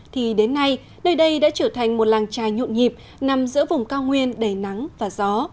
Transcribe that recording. thì đến nay nơi đây đã trở thành một làng trài nhộn nhịp nằm giữa vùng cao nguyên đầy nắng và gió